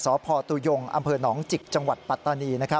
สตุยงอหนองจิกจังหวัดปัตตานี